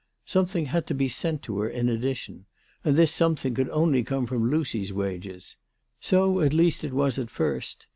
Something had to be sent to her in addition, and this something could only come from Lucy's wages. So at least it was at first.